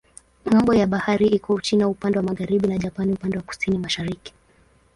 Ng'ambo ya bahari iko Uchina upande wa magharibi na Japani upande wa kusini-mashariki.